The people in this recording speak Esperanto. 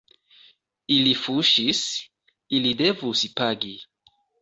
Ili fuŝis, ili devus pagi.